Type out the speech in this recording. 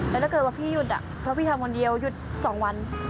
แล้วถ้าเกิดว่าพี่หยุดเพราะพี่ทำคนเดียวหยุด๒วัน